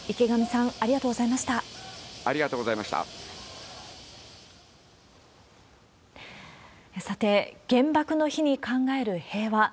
さて、原爆の日に考える平和。